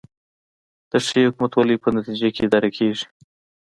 د ښې حکومتولې په نتیجه کې اداره کیږي